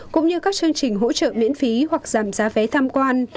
cũng như các chương trình hỗ trợ miễn phí hoặc giảm giá vé tham quan